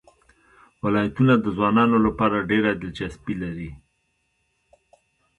ولایتونه د ځوانانو لپاره ډېره دلچسپي لري.